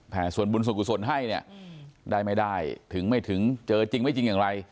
ส่วนบุญส่วนกุศลให้เนี่ยได้ไม่ได้ถึงไม่ถึงเจอจริงไม่จริงอย่างไร